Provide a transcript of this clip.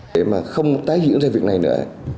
để mà không tái diễn ra việc này nữa